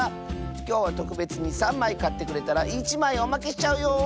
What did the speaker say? きょうはとくべつに３まいかってくれたら１まいおまけしちゃうよ！